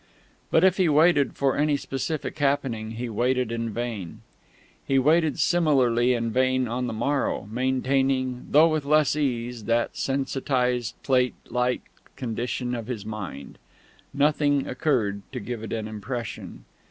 But if he waited for any specific happening, he waited in vain. He waited similarly in vain on the morrow, maintaining, though with less ease, that sensitised plate like condition of his mind. Nothing occurred to give it an impression.